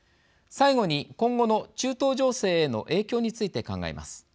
最後に、今後の中東情勢への影響について考えます。